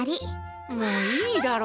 もういいだろ。